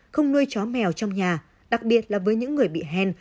không nuôi chó mèo trong nhà đặc biệt là với những người bị hèn